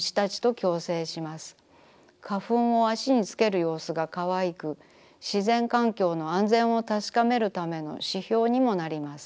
花粉を足につけるようすがかわいく自然環境の安全をたしかめるための指標にもなります。